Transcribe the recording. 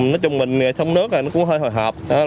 nói chung mình sống nước thì nó cũng hơi hồi hộp